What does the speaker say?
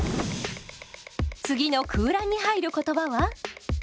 次の空欄に入る言葉は？